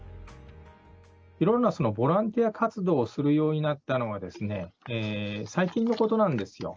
いろんなボランティア活動をするようになったのは、最近のことなんですよ。